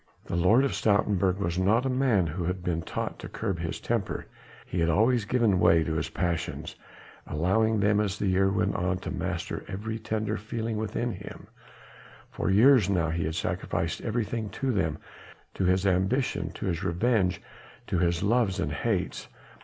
The Lord of Stoutenburg was not a man who had been taught to curb his temper; he had always given way to his passions, allowing them as the years went on to master every tender feeling within him; for years now he had sacrificed everything to them, to his ambition, to his revenge, to his loves and hates.